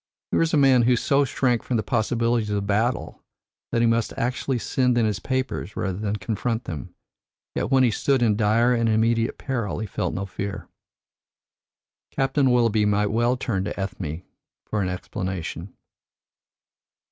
Here was a man who so shrank from the possibilities of battle, that he must actually send in his papers rather than confront them; yet when he stood in dire and immediate peril he felt no fear. Captain Willoughby might well turn to Ethne for an explanation.